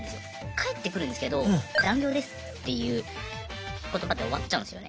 返ってくるんですけど「残業です」っていう言葉で終わっちゃうんですよね。